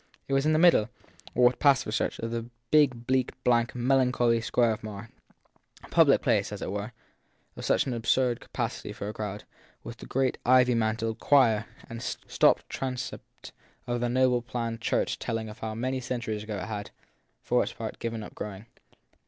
It was in the middle or what passed for such of the big, bleak, blank, melancholy square of Marr; a public place, as it were, of such an absurd capacity for a crowd ; with the great ivy mantled choir and stopped transept of the nobly planned church, telling of how many centuries ago it had, for its part, given up growing.